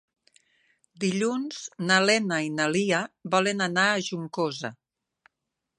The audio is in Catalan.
Dilluns na Lena i na Lia volen anar a Juncosa.